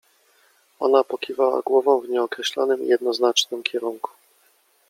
Ona pokiwała głową w nieokreślonym i jednoznacznym kierunku.